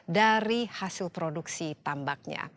dari hasil produksi tambaknya